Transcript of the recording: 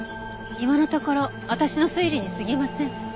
今のところ私の推理に過ぎません。